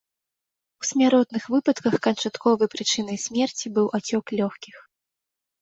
У смяротных выпадках канчатковай прычынай смерці быў ацёк лёгкіх.